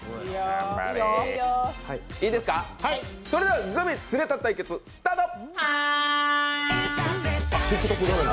それではグミつれた対決、スタート